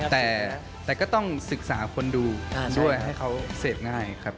แต่ก็ต้องศึกษาคนดูด้วยให้เขาเสพง่ายครับ